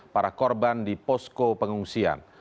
para korban di posko pengungsian